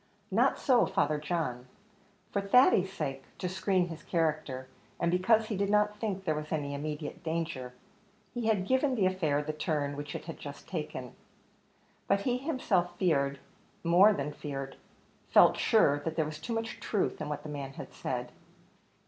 Not so, Father John. For Thady's sake to screen his character, and because he did not think there was any immediate danger he had given the affair the turn which it had just taken; but he himself feared more than feared felt sure that there was too much truth in what the man had said.